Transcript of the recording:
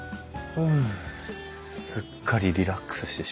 うんすっかりリラックスしてしまった。